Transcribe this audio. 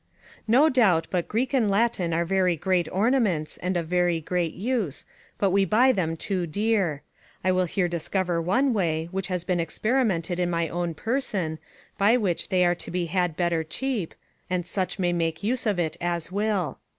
No doubt but Greek and Latin are very great ornaments, and of very great use, but we buy them too dear. I will here discover one way, which has been experimented in my own person, by which they are to be had better cheap, and such may make use of it as will.